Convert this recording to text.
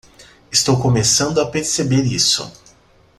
Estou começando a perceber isso.